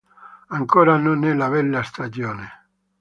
Ancora non è la bella stagione.